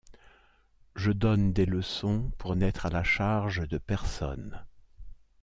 Je donne des leçons pour n’être à la charge de personne.